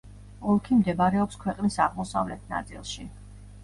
ოლქი მდებარეობს ქვეყნის აღმოსავლეთ ნაწილში.